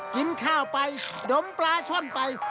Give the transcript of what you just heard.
กินข้าวไปดมปลาช่อนไป